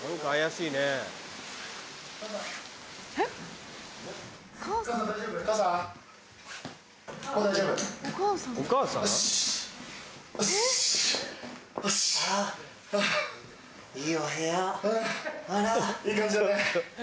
いい感じだね。